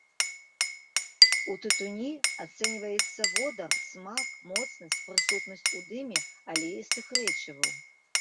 У тытуні ацэньваецца водар, смак, моцнасць, прысутнасць у дыме алеістых рэчываў.